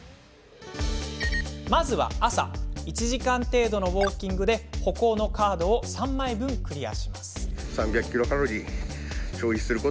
まずは朝１時間程度のウォーキングで歩行のカードを３枚分クリア。